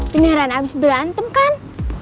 tengah tengah abis berantem kan